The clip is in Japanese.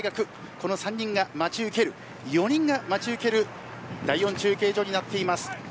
この３人が待ち受ける４人が待ち受ける第４中継所です。